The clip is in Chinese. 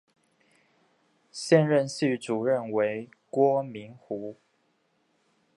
现任系主任为郭明湖。